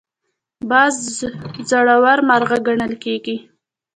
باز زړور مرغه ګڼل کېږي